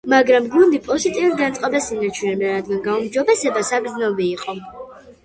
მაგრამ გუნდი პოზიტიურ განწყობას ინარჩუნებდა, რადგან გაუმჯობესება საგრძნობი იყო.